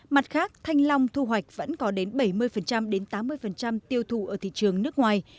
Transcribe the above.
mặt khác thanh long thu hoạch vẫn có đến bảy mươi đến tám mươi tiêu thụ ở thị trường nước ngoài